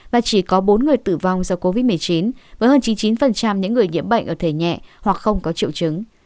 và chỉ có bốn người tử vong do covid một mươi chín với hơn chín mươi chín những người nhiễm bệnh ở thể nhẹ hoặc không có triệu chứng